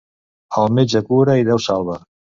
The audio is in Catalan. El metge cura i Déu salva.